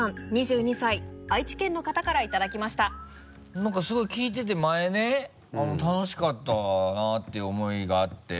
なんかすごい聞いてて前ね楽しかったなって思いがあって。